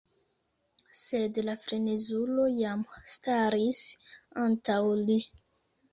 Sed la frenezulo jam staris antaŭ li.